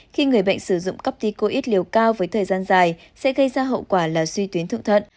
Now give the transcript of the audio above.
khi người bệnh sử dụng copticoid liều cao với thời gian dài sẽ gây ra hậu quả là suy tuyến thượng thận